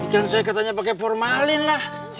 jangan saya katanya pakai formalin lah